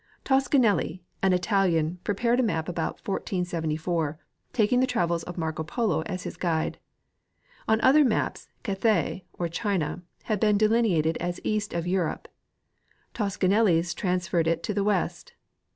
. Toscanelli, an Italian, ^jrepared a map about 1474, taking the travels of Marco Polo as his guide. On other maps Cathay, or China, had been delineated as east of Europe ; Toscanelli 's trans ferred it to the west.